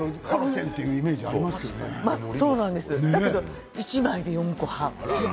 だけど、のり１枚で４個半。